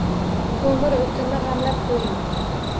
Koʻmir, oʻtinni gʻamlab qoʻying!